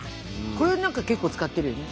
これは何か結構使ってるよね。